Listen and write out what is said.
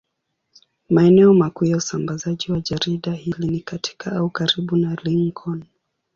Maeneo makuu ya usambazaji wa jarida hili ni katika au karibu na Lincoln.